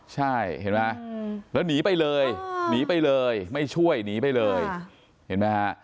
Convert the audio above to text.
ใช่เห็นไหมแล้วหนีไปเลยหนีไปเลยไม่ช่วยหนีไปเลยเห็นไหมฮะ